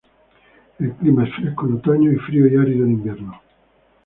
El clima es fresco en otoño y frío y árido en invierno.